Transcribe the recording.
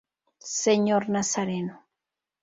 Señor Nazareno.